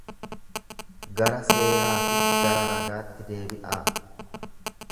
Gara seeraa fi gara ragaatti deebi'aa.